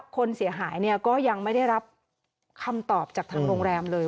คนเสียหายก็ยังไม่ได้รับคำตอบจากทางโรงแรมเลย